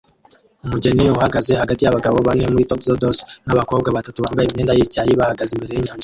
Umugeni uhagaze hagati yabagabo bane muri tuxedos nabakobwa batatu bambaye imyenda yicyayi bahagaze imbere yinyanja